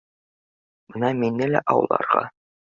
Бына мине лә ауларға